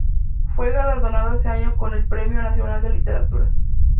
Fue galardonado ese año con el Premio Nacional de Literatura.